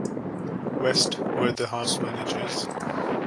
West were the house managers.